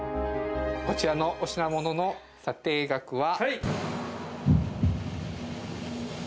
こちらのお品物の査定額は。